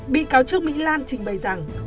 bị cáo trước mỹ lan trình bày rằng